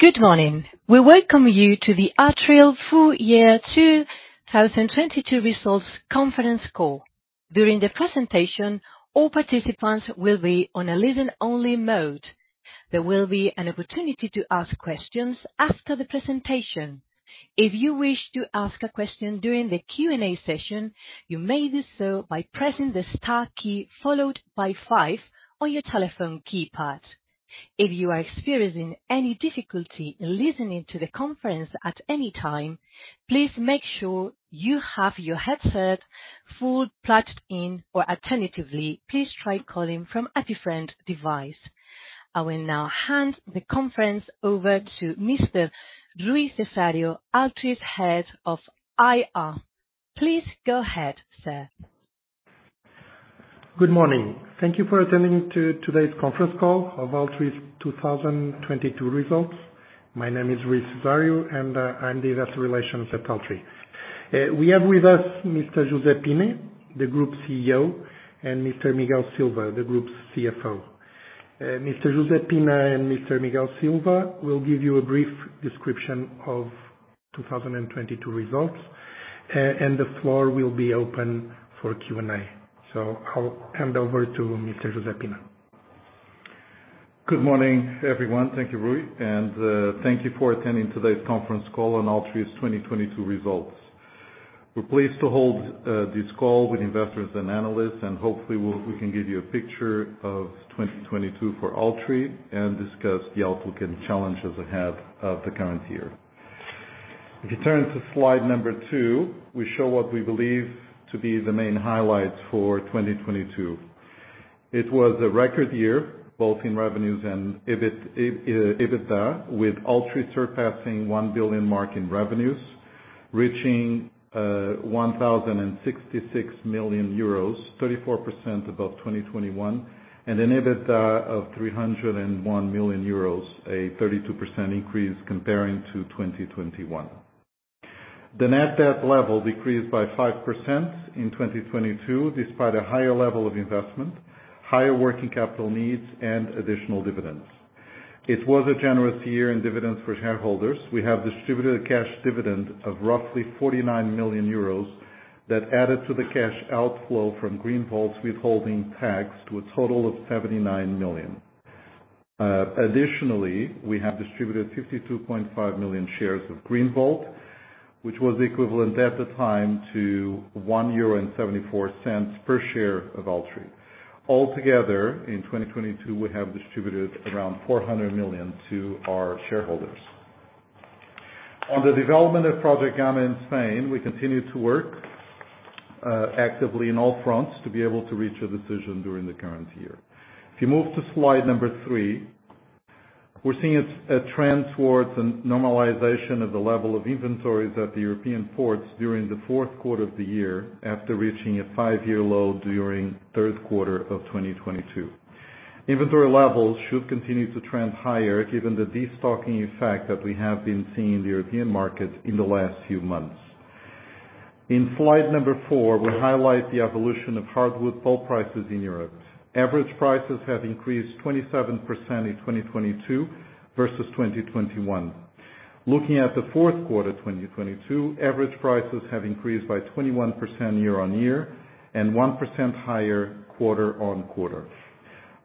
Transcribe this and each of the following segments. Good morning. We welcome you to the Altri full year 2022 results conference call. During the presentation, all participants will be on a listen only mode. There will be an opportunity to ask questions after the presentation. If you wish to ask a question during the Q&A session, you may do so by pressing the star key followed by five on your telephone keypad. If you are experiencing any difficulty listening to the conference at any time, please make sure you have your headset full plugged in. Alternatively, please try calling from a different device. I will now hand the conference over to Mr. Rui Cesário, Altri's head of IR. Please go ahead, sir. Good morning. Thank you for attending to today's conference call of Altri's 2022 results. My name is Rui Cesário, and I'm the investor relations at Altri. We have with us Mr. José Pina, the group CEO, and Mr. Miguel Silva, the group's CFO. Mr. José Pina and Mr. Miguel Silva will give you a brief description of 2022 results. The floor will be open for Q&A. I'll hand over to Mr. José Pina. Good morning, everyone. Thank you, Rui. Thank you for attending today's conference call on Altri's 2022 results. We're pleased to hold this call with investors and analysts, and hopefully we can give you a picture of 2022 for Altri and discuss the outlook and challenges ahead of the current year. If you turn to slide number two, we show what we believe to be the main highlights for 2022. It was a record year, both in revenues and EBIT, EBITDA, with Altri surpassing 1 billion mark in revenues, reaching 1,066 million euros, 34% above 2021. An EBITDA of 301 million euros, a 32% increase comparing to 2021. The net debt level decreased by 5% in 2022, despite a higher level of investment, higher working capital needs and additional dividends. It was a generous year in dividends for shareholders. We have distributed a cash dividend of roughly 49 million euros that added to the cash outflow from Greenvolt's withholding tax to a total of 79 million. Additionally, we have distributed 52.5 million shares of Greenvolt, which was equivalent at the time to 1.74 euro per share of Altri. Altogether, in 2022, we have distributed around 400 million to our shareholders. On the development of Project Gamma in Spain, we continue to work actively in all fronts to be able to reach a decision during the current year. If you move to slide number three, we're seeing a trend towards a normalization of the level of inventories at the European ports during the Q4 of the year, after reaching a five-year low during Q3 of 2022. Inventory levels should continue to trend higher given the destocking effect that we have been seeing in the European market in the last few months. In slide four, we highlight the evolution of hardwood pulp prices in Europe. Average prices have increased 27% in 2022 versus 2021. Looking at the Q4 2022, average prices have increased by 21% year-on-year and 1% higher quarter-on-quarter.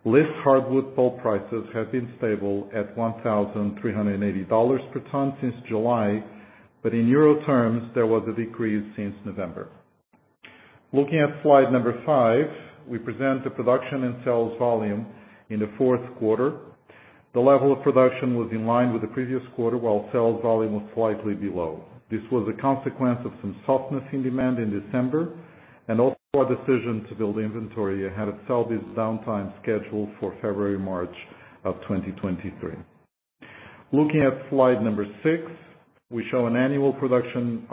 PIX hardwood pulp prices have been stable at $1,380 per ton since July, but in EUR terms there was a decrease since November. Looking at slide five, we present the production and sales volume in the Q4. The level of production was in line with the previous quarter, while sales volume was slightly below. This was a consequence of some softness in demand in December and also our decision to build inventory ahead of Celbi's downtime scheduled for February, March of 2023. Looking at slide number six, we show our annual production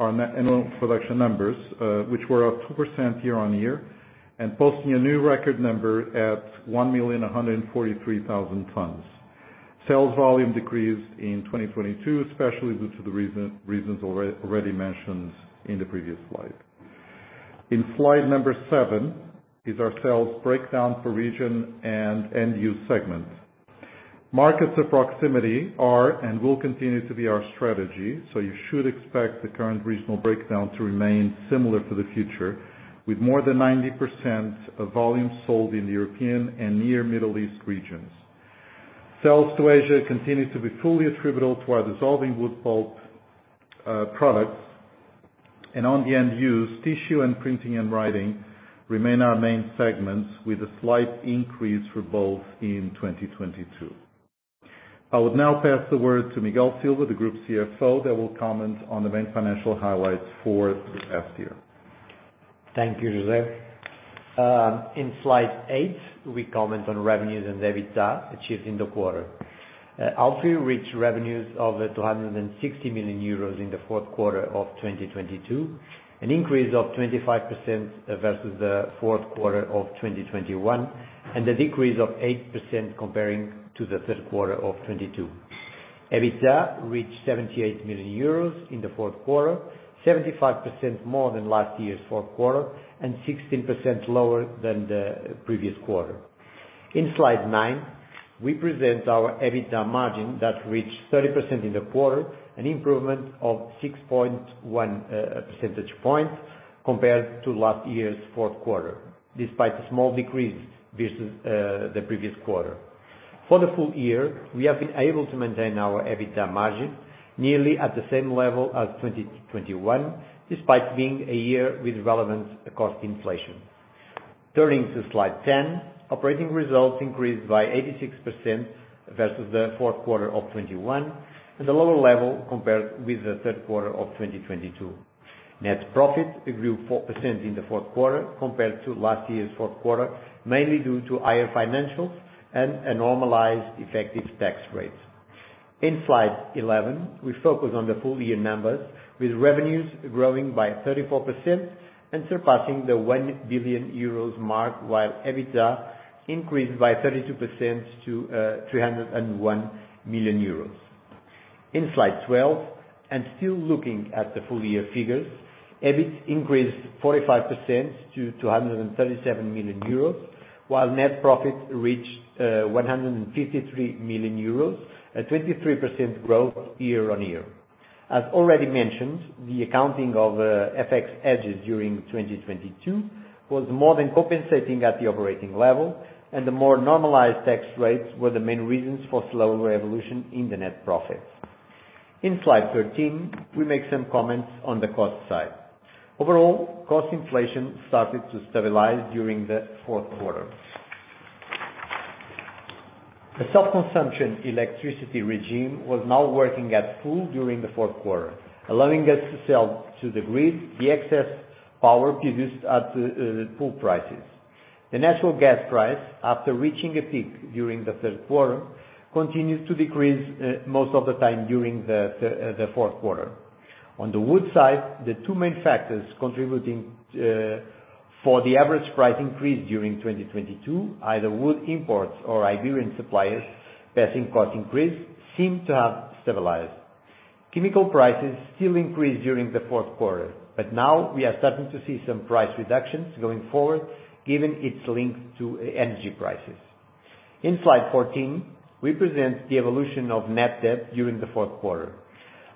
numbers, which were up 2% year-over-year and posting a new record number at 1,143,000 tons. Sales volume decreased in 2022, especially due to the reasons already mentioned in the previous slide. In slide number seven is our sales breakdown for region and end-use segments. Markets of proximity are and will continue to be our strategy. You should expect the current regional breakdown to remain similar for the future, with more than 90% of volumes sold in European and near Middle East regions. Sales to Asia continues to be fully attributable to our dissolving wood pulp products. On the end-use, tissue and printing and writing remain our main segments, with a slight increase for both in 2022. I would now pass the word to Miguel Silva, the group CFO, that will comment on the main financial highlights for the past year. Thank you, José. In slide eight, we comment on revenues and EBITDA achieved in the quarter. Altri reached revenues of 260 million euros in the Q4 of 2022, an increase of 25% versus the Q4 of 2021, and a decrease of 8% comparing to the Q3 of 2022. EBITDA reached 78 million euros in the Q4, 75% more than last year's Q4 and 16% lower than the previous quarter. In slide nine, we present our EBITDA margin that reached 30% in the quarter, an improvement of 6.1 percentage point compared to last year's Q4, despite a small decrease versus the previous quarter. For the full year, we have been able to maintain our EBITDA margin nearly at the same level as 2021, despite being a year with relevant cost inflation. Turning to slide 10, operating results increased by 86% versus the Q4 of 2021, and a lower level compared with the Q3 of 2022. Net profit grew 4% in the Q4 compared to last year's Q4, mainly due to higher financials and a normalized effective tax rate. In slide 11, we focus on the full year numbers, with revenues growing by 34% and surpassing the 1 billion euros mark, while EBITDA increased by 32% to 301 million euros. Still looking at the full year figures, EBIT increased 45% to 237 million euros, while net profit reached 153 million euros, a 23% growth year-on-year. As already mentioned, the accounting of FX hedges during 2022 was more than compensating at the operating level, and the more normalized tax rates were the main reasons for slower revolution in the net profits. In slide 13, we make some comments on the cost side. Overall, cost inflation started to stabilize during the Q4. The self-consumption electricity regime was now working at full during the Q4, allowing us to sell to the grid the excess power produced at full prices. The natural gas price, after reaching a peak during the Q3, continued to decrease most of the time during the Q4. On the wood side, the two main factors contributing for the average price increase during 2022, either wood imports or Iberian suppliers passing cost increase seem to have stabilized. Chemical prices still increased during the Q4, but now we are starting to see some price reductions going forward given its links to energy prices. In slide 14, we present the evolution of net debt during the Q4.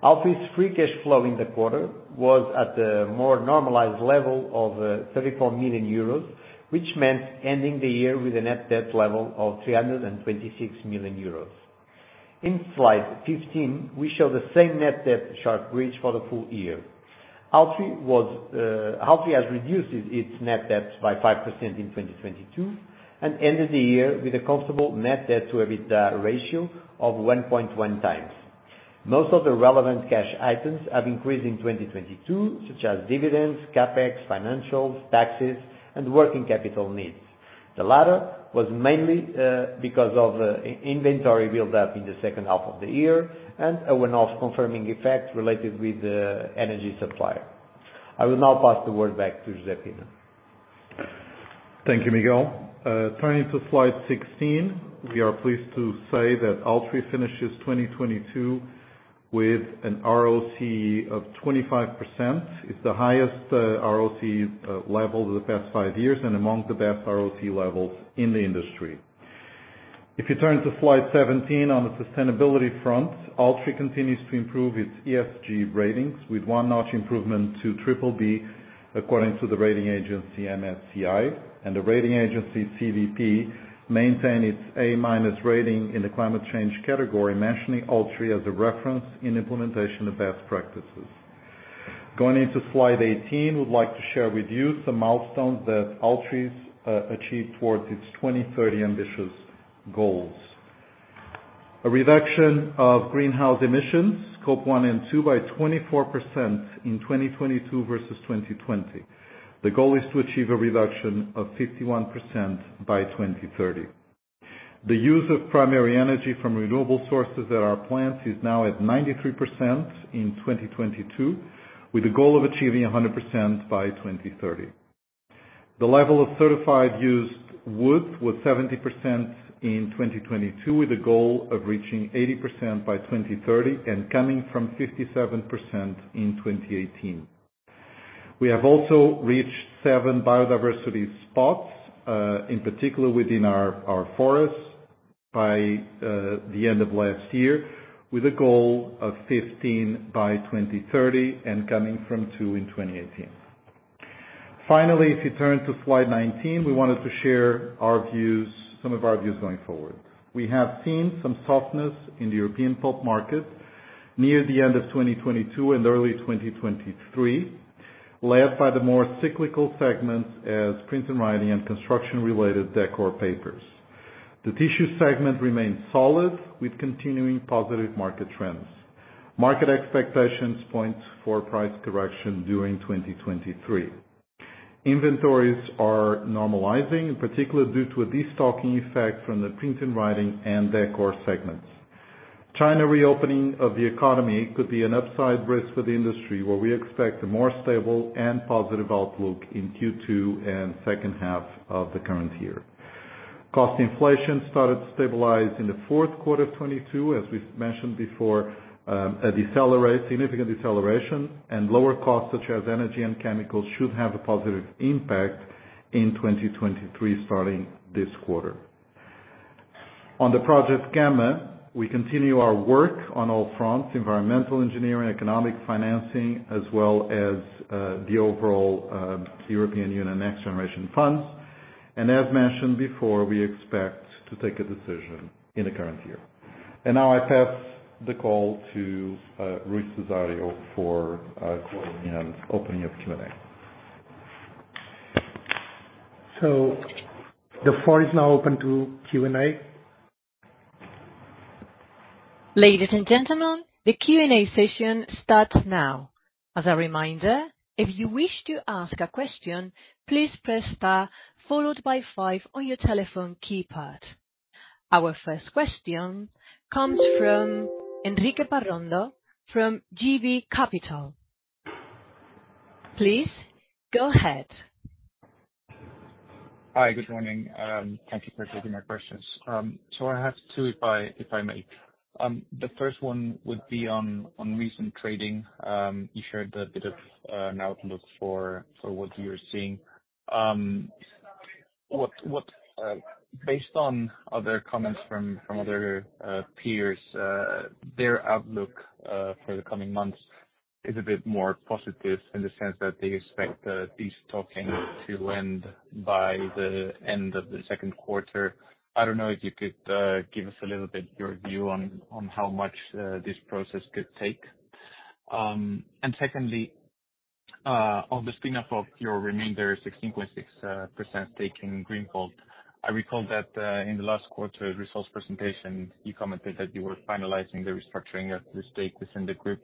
Altri's free cash flow in the quarter was at a more normalized level of 34 million euros, which meant ending the year with a net debt level of 326 million euros. In slide 15, we show the same net debt sharp reach for the full year. Altri has reduced its net debt by 5% in 2022 and ended the year with a comfortable net debt to EBITDA ratio of 1.1 times. Most of the relevant cash items have increased in 2022, such as dividends, CapEx, financials, taxes, and working capital needs. The latter was mainly because of inventory build-up in the second half of the year, and a one-off confinement effect related with the energy supplier. I will now pass the word back to José Pina. Thank you, Miguel. Turning to slide 16, we are pleased to say that Altri finishes 2022 with an ROC of 25%. It's the highest ROC level of the past five years and among the best ROC levels in the industry. If you turn to slide 17 on the sustainability front, Altri continues to improve its ESG ratings with 1 notch improvement to triple B according to the rating agency MSCI, and the rating agency CDP maintain its A minus rating in the climate change category, mentioning Altri as a reference in implementation of best practices. Going into slide 18, would like to share with you some milestones that Altri's achieved towards its 2030 ambitious goals. A reduction of greenhouse emissions, Scope 1 and 2, by 24% in 2022 versus 2020. The goal is to achieve a reduction of 51% by 2030. The use of primary energy from renewable sources at our plants is now at 93% in 2022, with a goal of achieving 100% by 2030. The level of certified used wood was 70% in 2022, with a goal of reaching 80% by 2030 and coming from 57% in 2018. We have also reached seven biodiversity spots, in particular within our forests by the end of last year, with a goal of 15 by 2030 and coming from two in 2018. If you turn to slide 19, we wanted to share our views, some of our views going forward. We have seen some softness in the European pulp market near the end of 2022 and early 2023, led by the more cyclical segments as print and writing and construction related decor papers. The tissue segment remains solid with continuing positive market trends. Market expectations points for price correction during 2023. Inventories are normalizing, in particular due to a de-stocking effect from the print and writing and decor segments. China reopening of the economy could be an upside risk for the industry, where we expect a more stable and positive outlook in Q2 and second half of the current year. Cost inflation started to stabilize in the Q4 of 2022, as we've mentioned before, a significant deceleration and lower costs such as energy and chemicals should have a positive impact in 2023 starting this quarter. On Project Gamma, we continue our work on all fronts, environmental, engineering, economic, financing, as well as, the overall, European Union NextGenerationEU funds. As mentioned before, we expect to take a decision in the current year. Now I pass the call to Rui Cesário for, you know, opening of Q&A. The floor is now open to Q&A. Ladies and gentlemen, the Q&A session starts now. As a reminder, if you wish to ask a question, please press star followed by five on your telephone keypad. Our first question comes from Enrique Parrondo from JB Capital. Please go ahead. Hi. Good morning. Thank you for taking my questions. I have two, if I may. The first one would be on recent trading. You shared a bit of an outlook for what you're seeing. Based on other comments from other peers, their outlook for the coming months is a bit more positive in the sense that they expect destocking to end by the end of the Q2. I don't know if you could give us a little bit your view on how much this process could take. Secondly, on the spin-off of your remainder 16.6% stake in Greenvolt, I recall that in the last quarter results presentation, you commented that you were finalizing the restructuring of the stake within the group.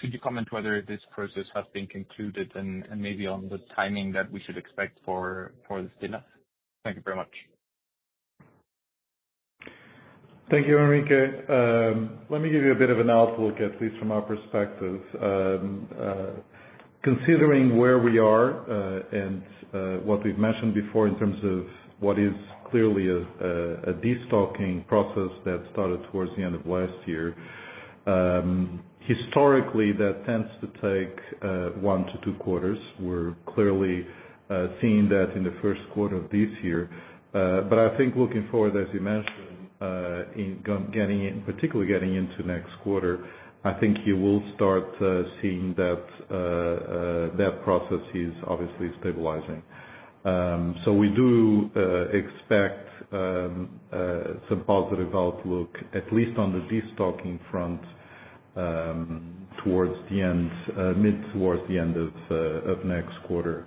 Could you comment whether this process has been concluded and maybe on the timing that we should expect for the spin-off? Thank you very much. Thank you, Enrique. Let me give you a bit of an outlook, at least from our perspective. Considering where we are, and what we've mentioned before in terms of what is clearly a destocking process that started towards the end of last year, historically, that tends to take one to two quarters. We're clearly seeing that in the Q1 of this year. I think looking forward, as you mentioned, particularly getting into next quarter, I think you will start seeing that process is obviously stabilizing. We do expect a supposed outlook at least on the destocking front, towards the end, mid towards the end of next quarter.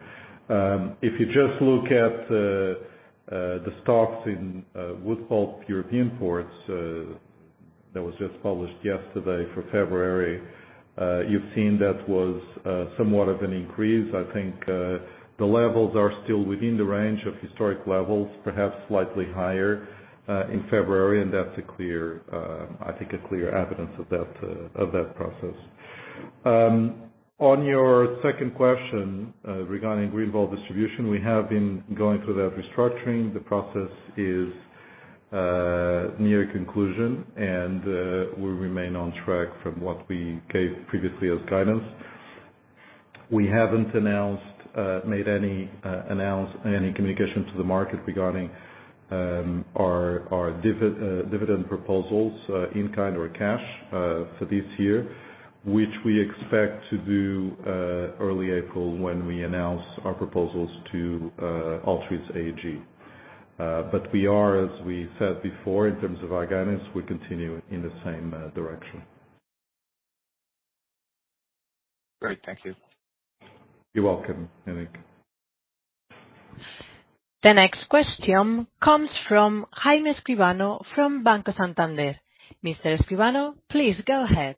If you just look at the stocks in wood pulp European ports that was just published yesterday for February, you've seen that was somewhat of an increase. I think the levels are still within the range of historic levels, perhaps slightly higher in February, and that's a clear, I think a clear evidence of that process. On your second question, regarding Greenvolt distribution, we have been going through that restructuring. The process is near conclusion, and we remain on track from what we gave previously as guidance. We haven't announced made any announce any communication to the market regarding our dividend proposals in kind or cash for this year, which we expect to do early April when we announce our proposals to Altri AG. We are, as we said before, in terms of our guidance, we continue in the same direction. Great. Thank you. You're welcome, Enrique. The next question comes from Jaime Escribano from Banco Santander. Mr. Escribano, please go ahead.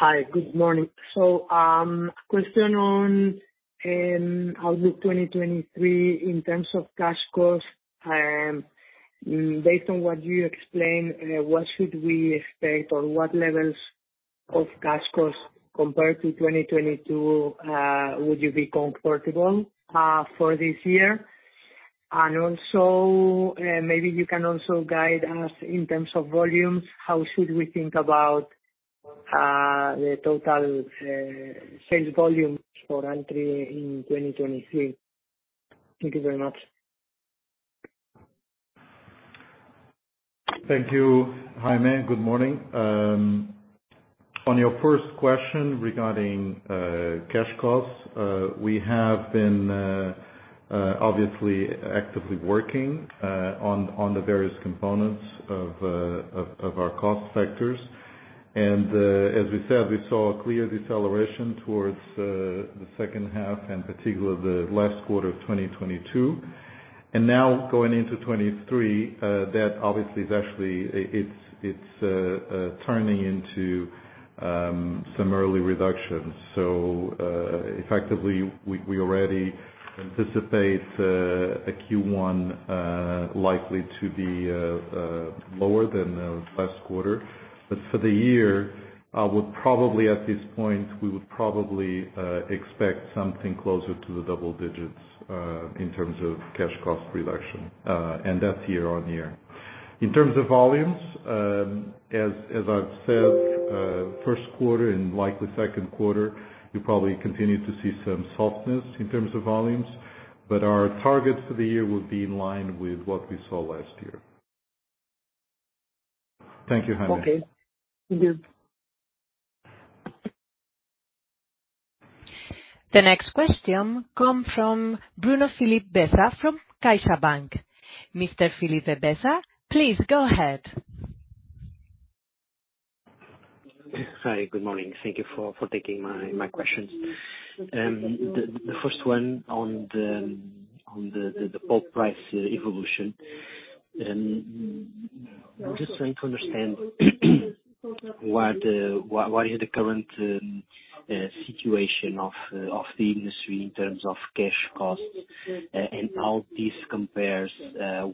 Hi. Good morning. Question on how the 2023 in terms of cash costs. Based on what you explained, what should we expect or what levels of cash costs compared to 2022, would you be comfortable for this year? Also, maybe you can also guide us in terms of volumes, how should we think about the total sales volumes for Altri in 2023? Thank you very much. Thank you, Jaime. Good morning. On your first question regarding cash costs, we have been obviously actively working on the various components of our cost sectors. As we said, we saw a clear deceleration towards the second half and particularly the last quarter of 2022. Now going into 2023, that obviously it's turning into some early reductions. Effectively, we already anticipate a Q1 likely to be lower than the last quarter. For the year, we would probably expect something closer to the double digits in terms of cash cost reduction, and that's year-on-year. In terms of volumes, as I've said, Q1 and likely Q2, you'll probably continue to see some softness in terms of volumes, but our targets for the year will be in line with what we saw last year. Thank you, Jaime. Okay. Thank you. The next question come from Bruno Filipe Bessa from CaixaBank BPI. Mr. Filipe Bessa, please go ahead. Hi. Good morning. Thank you for taking my questions. The, the first one on the, on the pulp price evolution. I'm just trying to understand what, what is the current situation of the industry in terms of cash costs, and how this compares,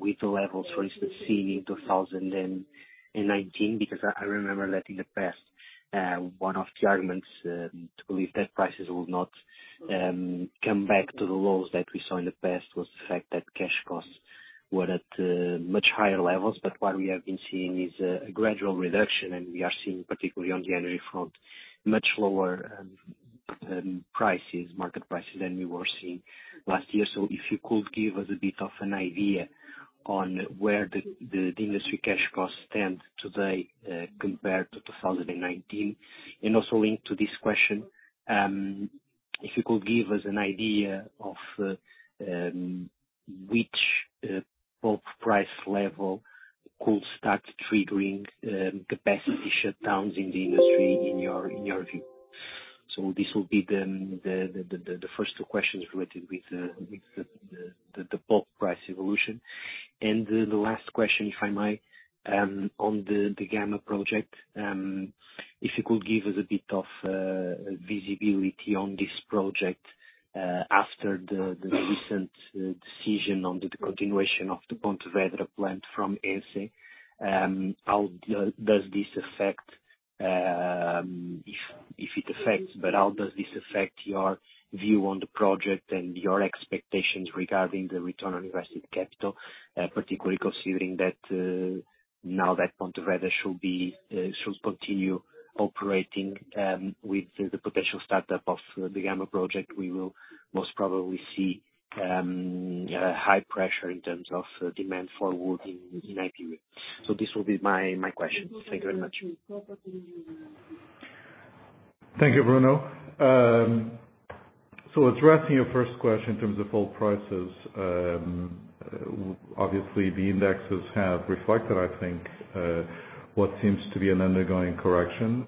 with the levels, for instance, seen in 2019, because I-I remember that in the past, one of the arguments, to believe that prices will not, come back to the lows that we saw in the past was the fact that cash costs were at, much higher levels. What we have been seeing is a gradual reduction, and we are seeing, particularly on the energy front, much lower prices, market prices than we were seeing last year. If you could give us a bit of an idea on where the industry cash costs stand today, compared to 2019. Also linked to this question, if you could give us an idea of which pulp price level could start triggering capacity shutdowns in the industry in your view. This will be the first two questions related with the pulp price evolution. The last question, if I may, on the Gama project, if you could give us a bit of visibility on this project, after the recent decision on the continuation of the Pontevedra plant from. How does this affect, if it affects, but how does this affect your view on the project and your expectations regarding the return on invested capital, particularly considering that now that Pontevedra should be, should continue operating with the potential startup of the Gamma project. We will most probably see high pressure in terms of demand for wood in Iberia. This will be my questions. Thank you very much. Thank you, Bruno. Addressing your first question in terms of pulp prices, obviously the indexes have reflected, I think, what seems to be an undergoing correction,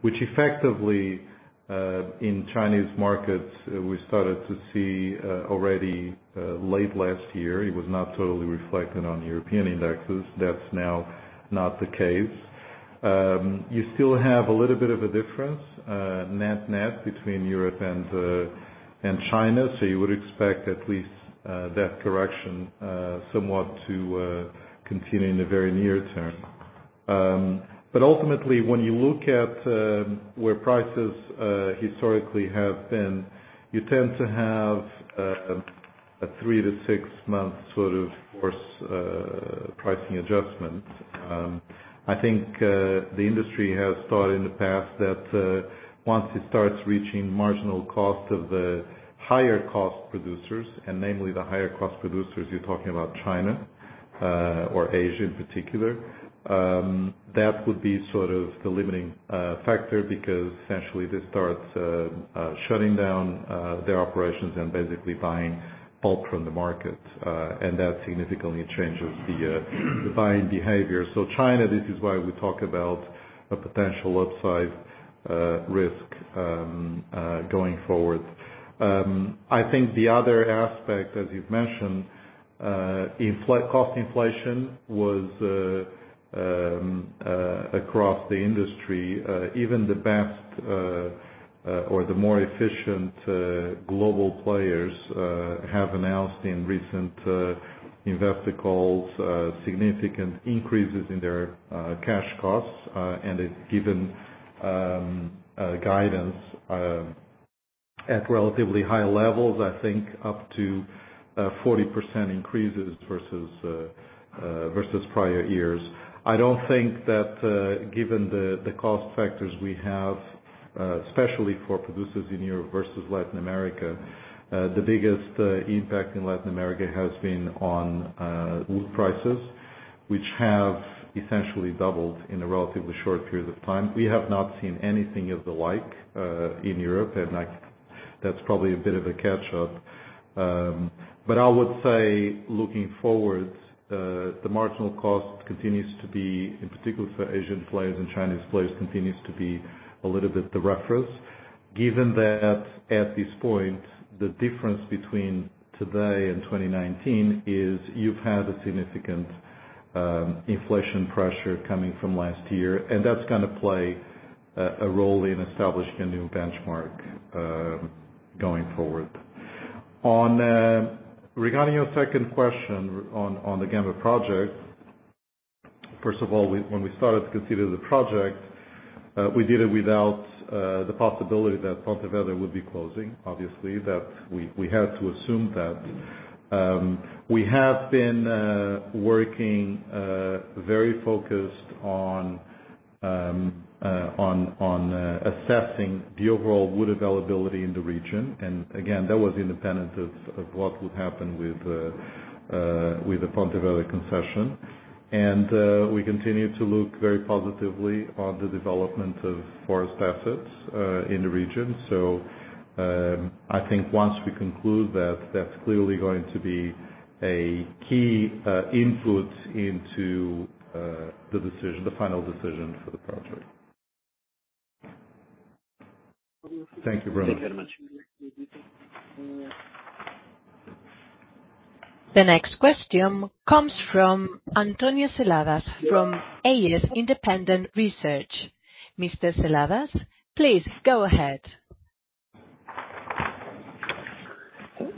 which effectively in Chinese markets we started to see already late last year. It was not totally reflected on European indexes. That's now not the case. You still have a little bit of a difference, net net between Europe and China. You would expect at least that correction somewhat to continue in the very near term. Ultimately, when you look at where prices historically have been, you tend to have a three to six month sort of course pricing adjustment. The industry has thought in the past that once it starts reaching marginal cost of the higher cost producers, namely the higher cost producers you're talking about China or Asia in particular, that would be sort of the limiting factor because essentially they start shutting down their operations and basically buying bulk from the market, and that significantly changes the buying behavior. China, this is why we talk about a potential upside risk going forward. I think the other aspect, as you've mentioned, cost inflation was across the industry. Even the best or the more efficient global players have announced in recent investor calls significant increases in their cash costs They've given guidance at relatively high levels, I think up to 40% increases versus prior years. I don't think that, given the cost factors we have, especially for producers in Europe versus Latin America, the biggest impact in Latin America has been on wood prices, which have essentially doubled in a relatively short period of time. We have not seen anything of the like in Europe, that's probably a bit of a catch-up. I would say looking forward, the marginal cost continues to be, in particular for Asian players and Chinese players, continues to be a little bit the reference. Given that at this point, the difference between today and 2019 is you've had a significant inflation pressure coming from last year, that's gonna play a role in establishing a new benchmark going forward. Regarding your second question on the Gama project. First of all, when we started to consider the project, we did it without the possibility that Pontevedra would be closing, obviously, that we had to assume that. We have been working very focused on assessing the overall wood availability in the region. Again, that was independent of what would happen with the Pontevedra concession. We continue to look very positively on the development of forest assets in the region. I think once we conclude that that's clearly going to be a key input into the decision, the final decision for the project. Thank you very much. Thank you very much. The next question comes from António Seladas from AS Independent Research. Mr. Seladas, please go ahead.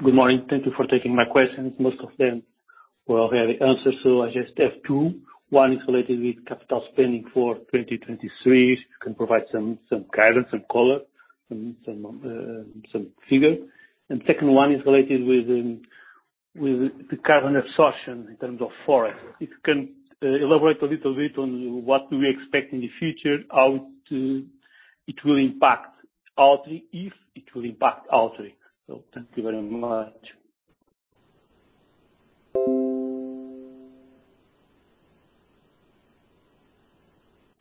Good morning. Thank you for taking my questions. Most of them were already answered. I just have two. One is related with capital spending for 2023. Can you provide some guidance, some color, some figures? Second one is related with the carbon absorption in terms of forest. If you can elaborate a little bit on what do we expect in the future, how it will impact Altri, if it will impact Altri. Thank you very much.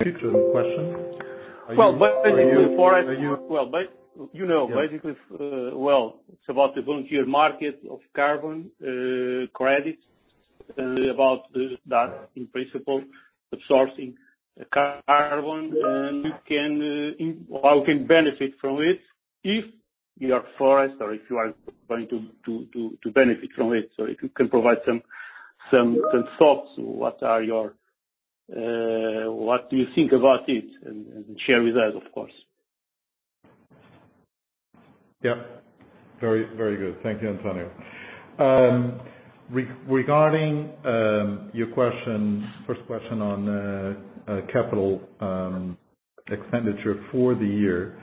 Could you repeat the question? Well, basically for it. Well, you know. Yeah. Basically, well, it's about the volunteer market of carbon credit and about the data in principle, absorbing carbon. How we can benefit from it if you are forest or if you are going to benefit from it. If you can provide some thoughts, what do you think about it and share with us, of course? Very, very good. Thank you, António. Regarding your question, first question on capital expenditure for the year,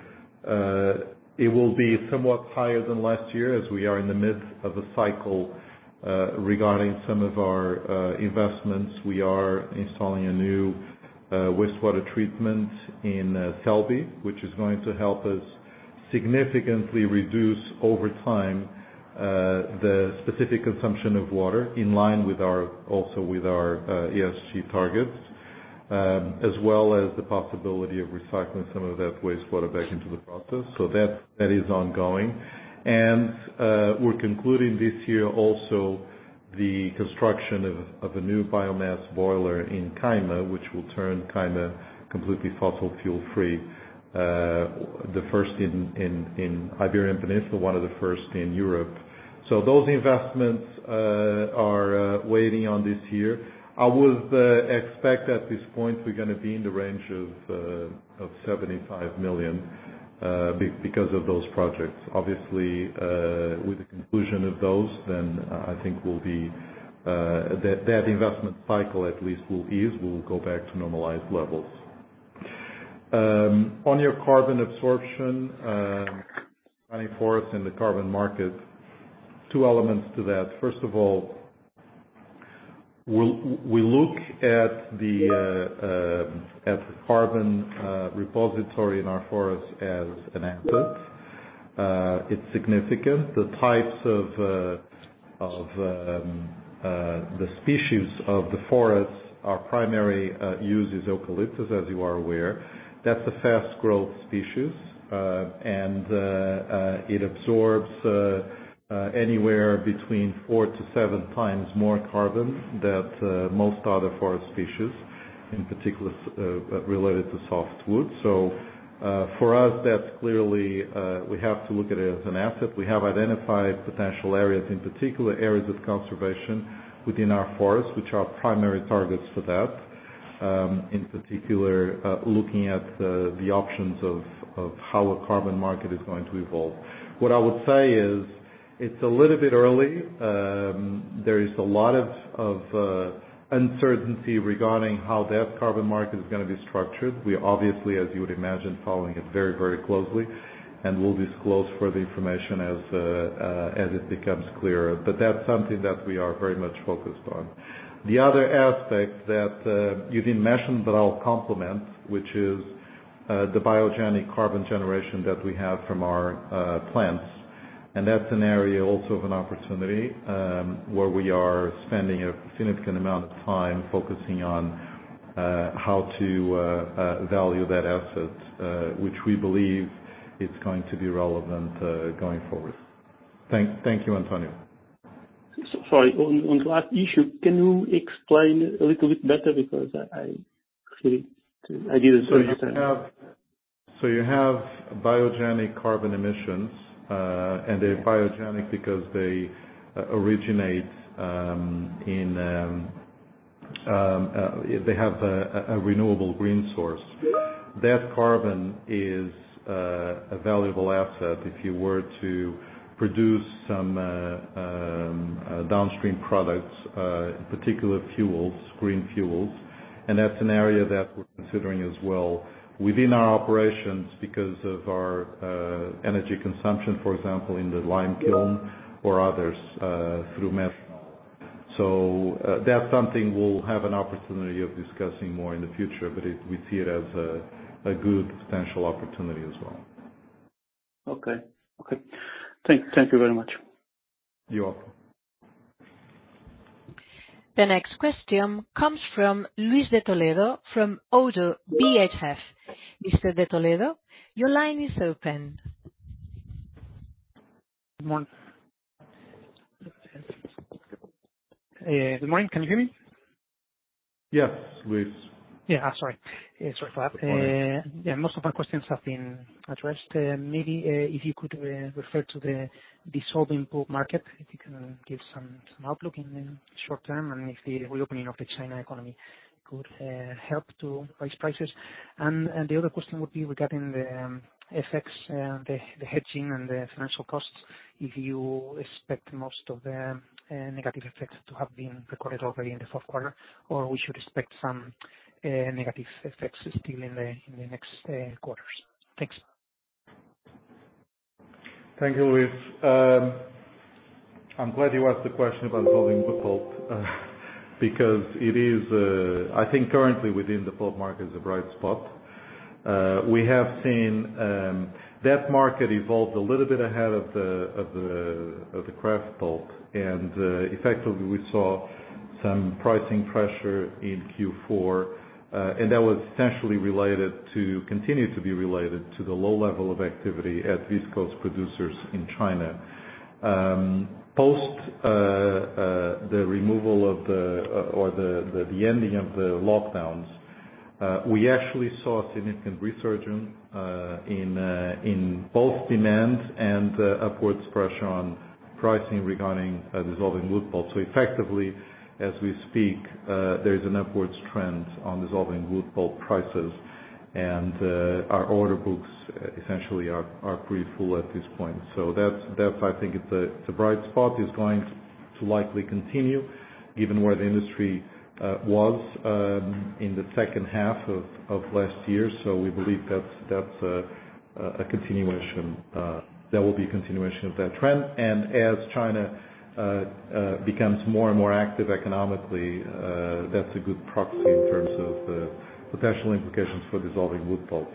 it will be somewhat higher than last year as we are in the midst of a cycle regarding some of our investments. We are installing a new wastewater treatment in Celbi, which is going to help us significantly reduce over time the specific consumption of water in line with our also with our ESG targets as well as the possibility of recycling some of that wastewater back into the process. That is ongoing. We're concluding this year also the construction of a new biomass boiler in Caima, which will turn Caima completely fossil fuel-free. The first in Iberian Peninsula, one of the first in Europe. Those investments are waiting on this year. I would expect at this point we're gonna be in the range of 75 million because of those projects. Obviously, with the conclusion of those then I think we'll be that investment cycle at least will ease. We'll go back to normalized levels. On your carbon absorption, running forest in the carbon market, two elements to that. First of all, we look at the carbon repository in our forests as an asset. It's significant. The types of the species of the forests are primary uses eucalyptus, as you are aware. That's a fast growth species. It absorbs anywhere between 4 to 7 times more carbon than most other forest species, in particular, related to soft wood. For us, that's clearly we have to look at it as an asset. We have identified potential areas, in particular areas of conservation within our forests, which are primary targets for that. In particular, looking at the options of how a carbon market is going to evolve. What I would say is it's a little bit early. There is a lot of uncertainty regarding how that carbon market is gonna be structured. We obviously, as you would imagine, following it very, very closely, and we'll disclose further information as it becomes clearer. That's something that we are very much focused on. The other aspect that you didn't mention, but I'll complement, which is the biogenic carbon generation that we have from our plants. That's an area also of an opportunity where we are spending a significant amount of time focusing on how to value that asset, which we believe it's going to be relevant going forward. Thank you, António. Sorry. On the last issue, can you explain a little bit better because I actually I didn't understand. You have biogenic carbon emissions, and they're biogenic because they have a renewable green source. That carbon is a valuable asset if you were to produce some downstream products, in particular fuels, green fuels. That's an area that we're considering as well within our operations because of our energy consumption, for example, in the lime kiln or others, through methanol. That's something we'll have an opportunity of discussing more in the future, but we see it as a good potential opportunity as well. Okay. Okay. Thank you very much. You're welcome. The next question comes from Luis de Toledo from ODDO BHF. Mr. De Toledo, your line is open. Good morning. Can you hear me? Yeah, Luis. Yeah. Sorry. Sorry for that. Yeah, most of my questions have been addressed. Maybe, if you could refer to the dissolving pulp market, if you can give some outlook in the short term, and if the reopening of the China economy could help to raise prices? The other question would be regarding the effects, the hedging and the financial costs, if you expect most of the negative effects to have been recorded already in the Q4, or we should expect some negative effects still in the next quarters? Thanks. Thank you, Luis. I'm glad you asked the question about dissolving pulp because it is, I think currently within the pulp market, is a bright spot. We have seen that market evolve a little bit ahead of the kraft pulp. Effectively, we saw some pricing pressure in Q4, and continues to be related to the low level of activity at viscose producers in China. Post the removal of the, or the ending of the lockdowns, we actually saw significant resurgence in both demand and upwards pressure on pricing regarding dissolving wood pulp. Effectively, as we speak, there is an upwards trend on dissolving wood pulp prices. Our order books essentially are pretty full at this point. That's. I think it's a bright spot. It's going to likely continue given where the industry was in the second half of last year. We believe that's a continuation, there will be a continuation of that trend. As China becomes more and more active economically, that's a good proxy in terms of potential implications for dissolving wood pulp.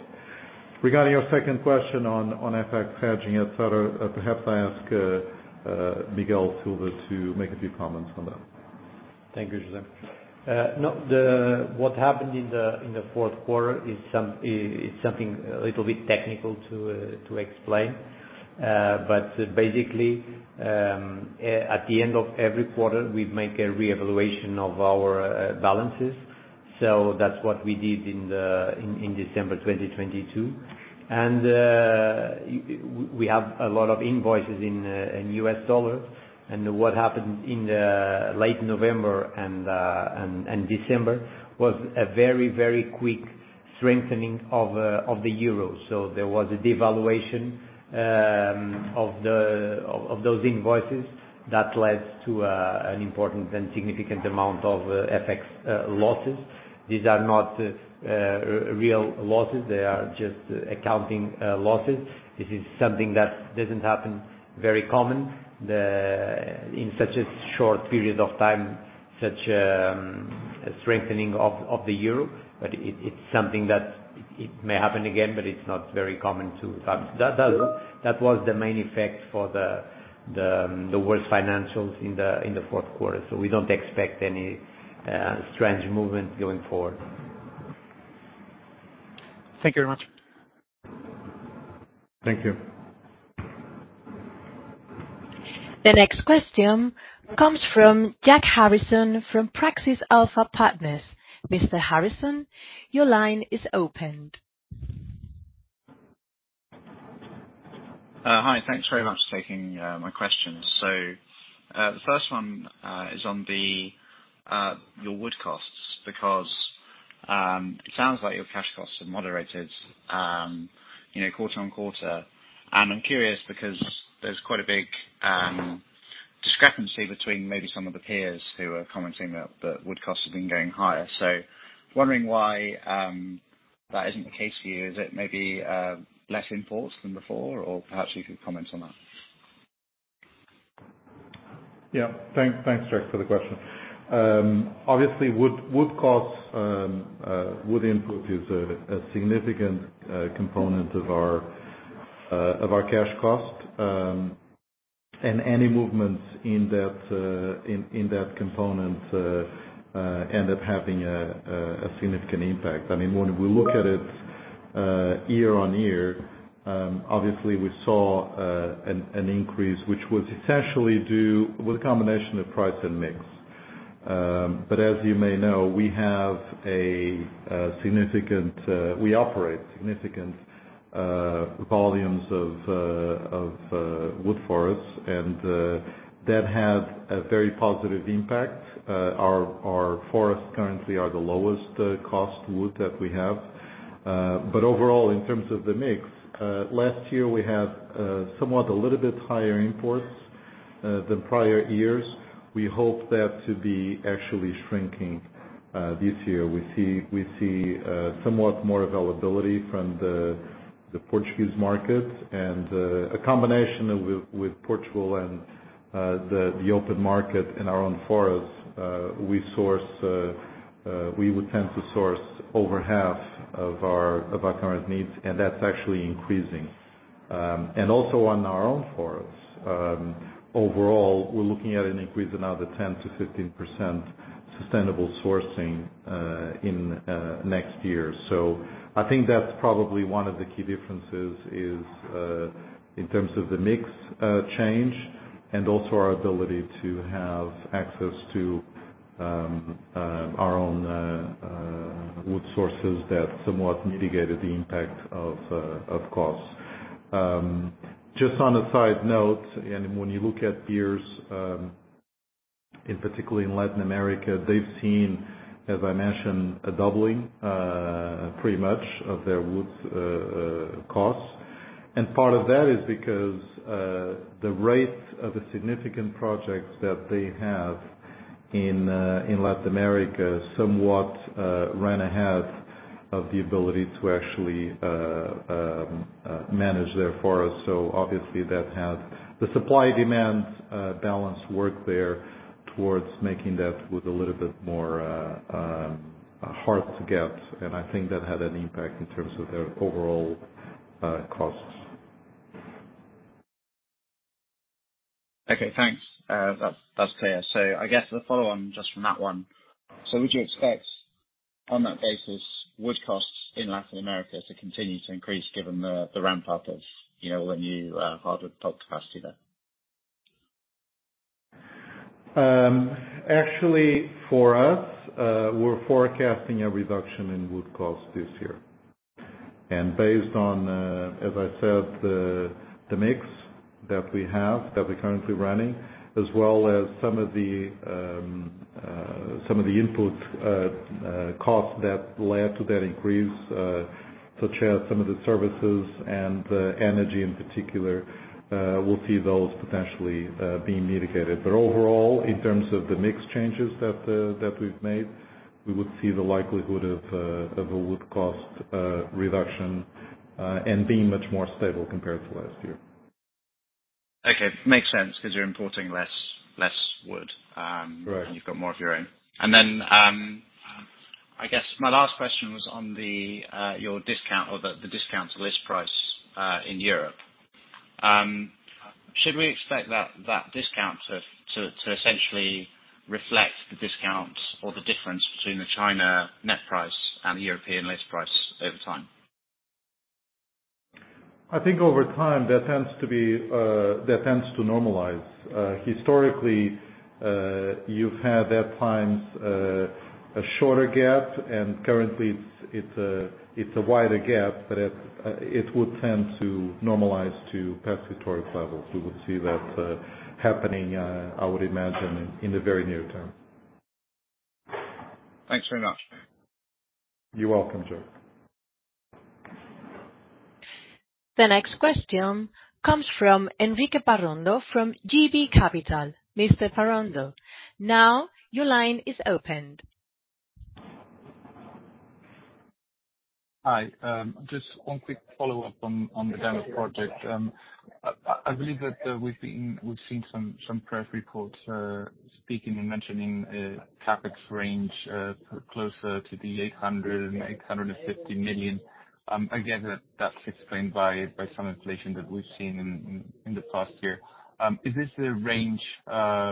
Regarding your second question on FX hedging, et cetera, perhaps I ask Miguel Silva to make a few comments on that. Thank you, José. No, what happened in the Q4 is something a little bit technical to explain. Basically, at the end of every quarter, we make a reevaluation of our balances. That's what we did in December 2022. We have a lot of invoices in US dollars. What happened in the late November and December was a very quick strengthening of the euro. There was a devaluation of those invoices that led to an important and significant amount of FX losses. These are not real losses. They are just accounting losses. This is something that doesn't happen very common, the, in such a short period of time, such, strengthening of the euro. It's something that it may happen again, but it's not very common to happen. That was the main effect for the worst financials in the Q4. We don't expect any strange movement going forward. Thank you very much. Thank you. The next question comes from Jack Harrison from Praxis Alpha Partners. Mr. Harrison, your line is opened. Hi. Thanks very much for taking my questions. The first one is on your wood costs, because it sounds like your cash costs have moderated, you know, quarter-on-quarter. I'm curious because there's quite a big discrepancy between maybe some of the peers who are commenting that wood costs have been going higher. Wondering why that isn't the case for you. Is it maybe less imports than before? Or perhaps you could comment on that. Yeah. Thanks. Thanks, Jack, for the question. obviously, wood costs, wood input is a significant component of our cash cost. any movements in that in that component end up having a significant impact. I mean, when we look at it year-over-year, obviously we saw an increase, which was essentially a combination of price and mix. as you may know, we have a significant, we operate significant volumes of wood forests. that had a very positive impact. Our forests currently are the lowest cost wood that we have. overall, in terms of the mix, last year we had somewhat a little bit higher imports than prior years. We hope that to be actually shrinking this year. We see somewhat more availability from the Portuguese markets, and a combination of with Portugal and the open market in our own forests, we source, we would tend to source over half of our current needs, and that's actually increasing. And also on our own forests. Overall, we're looking at an increase another 10%-15% sustainable sourcing in next year. I think that's probably one of the key differences is in terms of the mix change, and also our ability to have access to our own wood sources that somewhat mitigated the impact of costs. Just on a side note, when you look at peers, in particular in Latin America, they've seen, as I mentioned, a doubling pretty much of their wood costs. Part of that is because the rates of the significant projects that they have in Latin America somewhat ran ahead of the ability to actually manage their forests. Obviously that had the supply-demand balance work there towards making that wood a little bit more hard to get. I think that had an impact in terms of their overall costs. Okay, thanks. That's, that's clear. I guess the follow on just from that one. Would you expect, on that basis, wood costs in Latin America to continue to increase given the ramp up of, you know, hardwood pulp prices there? Actually, for us, we're forecasting a reduction in wood costs this year. Based on, as I said, the mix that we have, that we're currently running, as well as some of the input costs that led to that increase, such as some of the services and energy in particular, we'll see those potentially being mitigated. Overall, in terms of the mix changes that we've made, we would see the likelihood of a wood cost reduction and being much more stable compared to last year. Okay. Makes sense 'cause you're importing less wood. Right. You've got more of your own. I guess my last question was on your discount or the discount to list price in Europe. Should we expect that discount to essentially reflect the discount or the difference between the China net price and the European list price over time? I think over time, that tends to be, that tends to normalize. Historically, you've had at times, a shorter gap, and currently it's a, it's a wider gap, but it would tend to normalize to past historic levels. We will see that happening, I would imagine in the very near term. Thanks very much. You're welcome, Joe. The next question comes from Enrique Parrondo, from JB Capital. Mr. Parrondo, now your line is opened. Hi. Just one quick follow-up on the Gama project. I believe that we've seen some press reports speaking and mentioning CapEx range closer to 800 million-850 million. I gather that's explained by some inflation that we've seen in the past year. Is this the range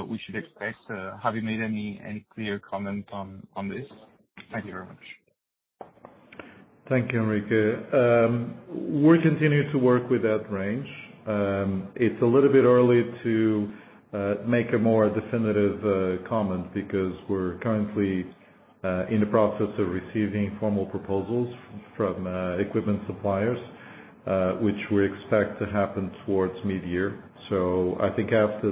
we should expect? Have you made any clear comment on this? Thank you very much. Thank you, Enrique. We're continuing to work with that range. It's a little bit early to make a more definitive comment because we're currently in the process of receiving formal proposals from equipment suppliers, which we expect to happen towards mid-year. I think after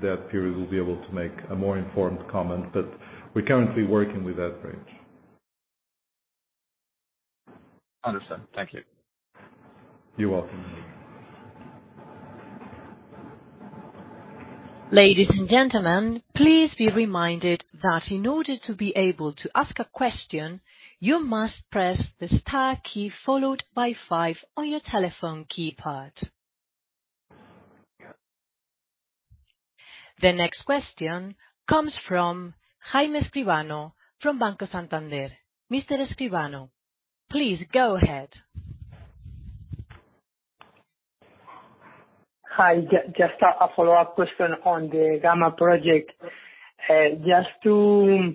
that period, we'll be able to make a more informed comment, but we're currently working with that range. Understand. Thank you. You're welcome. Ladies and gentlemen, please be reminded that in order to be able to ask a question, you must press the star key followed by five on your telephone keypad. The next question comes from Jaime Escribano, from Banco Santander. Mr. Escribano, please go ahead. Hi. Just a follow-up question on the Gama project. Just to,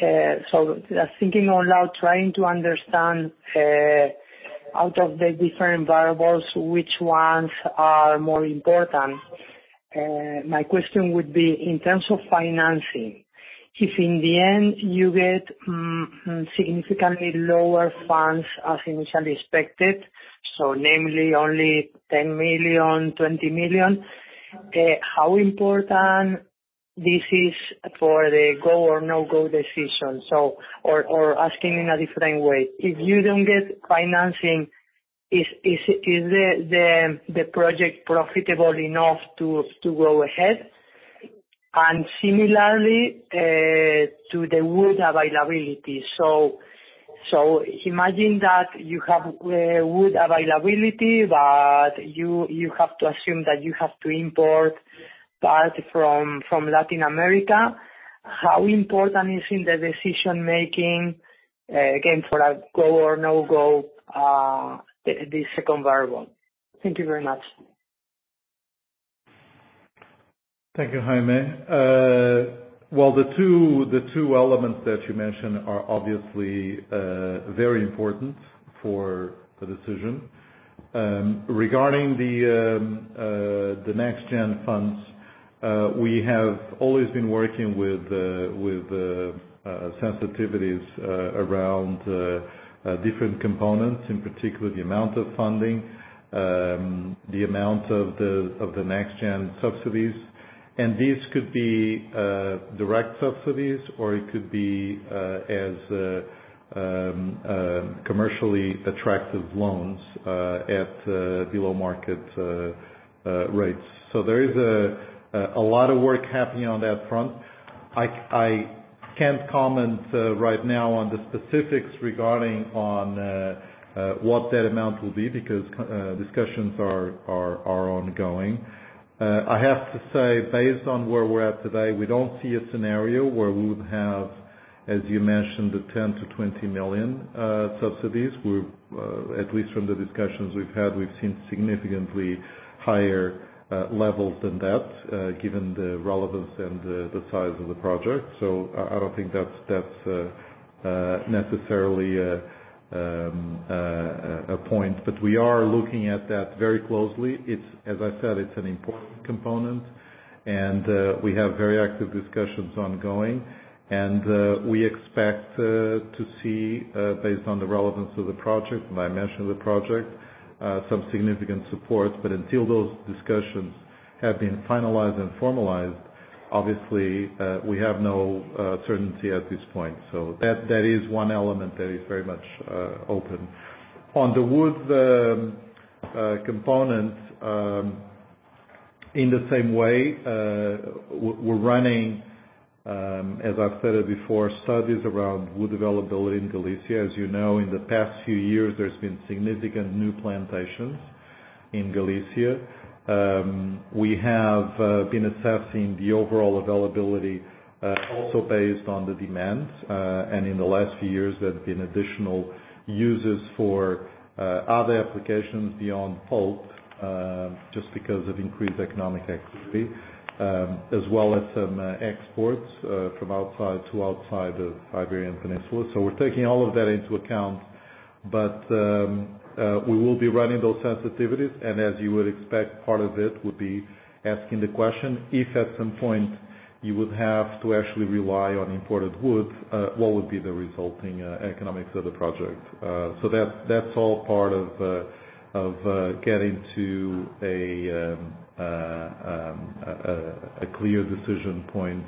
just thinking out loud, trying to understand out of the different variables, which ones are more important. My question would be in terms of financing. If in the end you get significantly lower funds as initially expected, namely only 10 million, 20 million, how important this is for the go or no-go decision? Or asking in a different way, if you don't get financing, is the project profitable enough to go ahead? Similarly, to the wood availability. Imagine that you have wood availability, but you have to assume that you have to import part from Latin America. How important is in the decision-making again, for a go or no-go, the second variable? Thank you very much. Thank you, Jaime. Well, the two elements that you mentioned are obviously very important for the decision. Regarding the NextGen funds, we have always been working with the sensitivities around different components, in particular the amount of funding, the amount of the NextGen subsidies. These could be direct subsidies or it could be as commercially attractive loans at below-market rates. There is a lot of work happening on that front. I can't comment right now on the specifics regarding on what that amount will be because discussions are ongoing. I have to say, based on where we're at today, we don't see a scenario where we would have, as you mentioned, the 10 million-20 million subsidies. We've at least from the discussions we've had, we've seen significantly higher levels than that, given the relevance and the size of the project. I don't think that's necessarily a point. We are looking at that very closely. It's, as I said, it's an important component and we have very active discussions ongoing. We expect to see, based on the relevance of the project, dimension of the project, some significant support. Until those discussions have been finalized and formalized, obviously, we have no certainty at this point. That, that is one element that is very much open. On the wood component, in the same way, we're running, as I've said it before, studies around wood availability in Galicia. As you know, in the past few years, there's been significant new plantations in Galicia. We have been assessing the overall availability, also based on the demand. In the last few years, there's been additional uses for other applications beyond pulp, just because of increased economic activity, as well as some exports from outside to outside the Iberian Peninsula. We're taking all of that into account. We will be running those sensitivities. As you would expect, part of it would be asking the question, if at some point you would have to actually rely on imported wood, what would be the resulting economics of the project? That's all part of getting to a clear decision point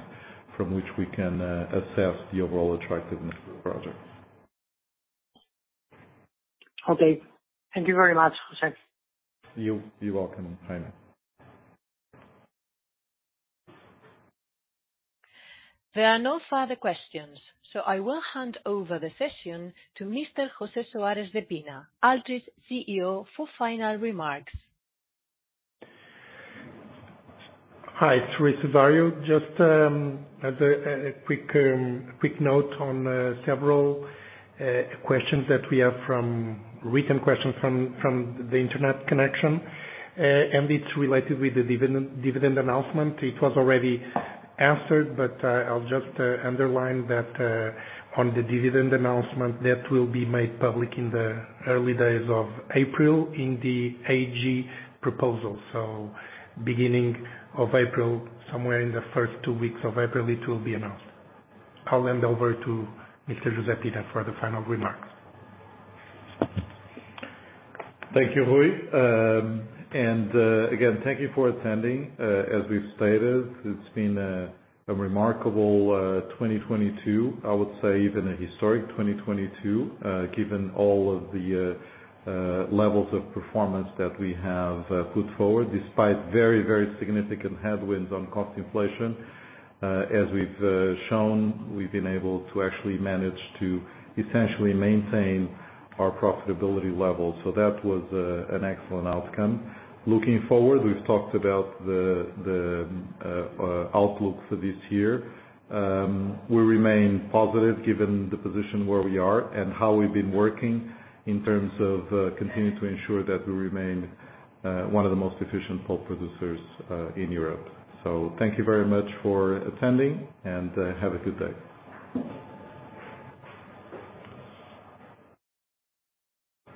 from which we can assess the overall attractiveness of the project. Okay. Thank you very much, Jose. You, you're welcome, Jaime. There are no further questions, so I will hand over the session to Mr. José Soares de Pina, Altri's CEO, for final remarks. Hi, it's Rui Cesário. Just as a quick note on several questions that we have from written questions from the internet connection. It's related with the dividend announcement. It was already answered, but I'll just underline that on the dividend announcement, that will be made public in the early days of April in the AG proposal. Beginning of April, somewhere in the first two weeks of April, it will be announced. I'll hand over to Mr. José Pina for the final remarks. Thank you, Rui. Again, thank you for attending. As we've stated, it's been a remarkable 2022. I would say even a historic 2022, given all of the levels of performance that we have put forward despite very, very significant headwinds on cost inflation. As we've shown, we've been able to actually manage to essentially maintain our profitability levels. That was an excellent outcome. Looking forward, we've talked about the outlook for this year. We remain positive given the position where we are and how we've been working in terms of continuing to ensure that we remain one of the most efficient pulp producers in Europe. Thank you very much for attending, and have a good day.